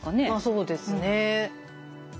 そうですね。